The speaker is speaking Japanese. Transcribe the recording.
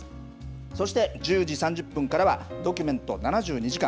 そして、１０時３０分からは、ドキュメント７２時間。